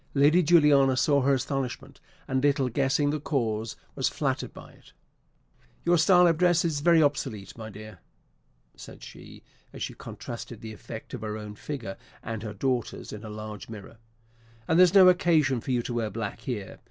Lady Juliana saw her astonishment, and, little guessing the cause, was flattered by it. "Your style of dress is very obsolete, my dear," said she, as she contrasted the effect of her own figure and her daughter's in a large mirror; "and there's no occasion for you to wear black here.